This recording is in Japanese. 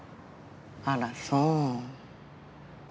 あらそう。